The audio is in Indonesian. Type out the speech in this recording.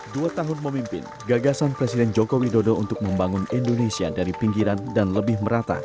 dua tahun memimpin gagasan presiden joko widodo untuk membangun indonesia dari pinggiran dan lebih merata